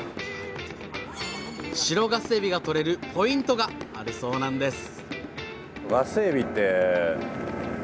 白ガスエビが取れるポイントがあるそうなんです